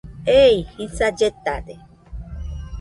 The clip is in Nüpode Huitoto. Ei jisa lletade.